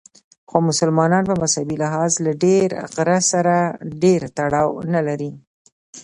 خو مسلمانان په مذهبي لحاظ له دې غره سره ډېر تړاو نه لري.